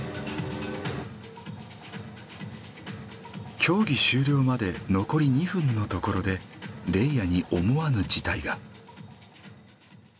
競技終了まで残り２分のところでレイヤに思わぬ事態が。